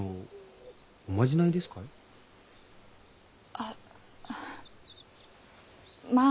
あっまあ。